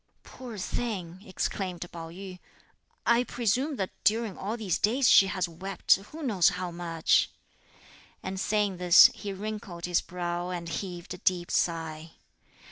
"Poor thing!" exclaimed Pao yü. "I presume that during all these days she has wept who knows how much;" and saying this he wrinkled his brow and heaved a deep sigh.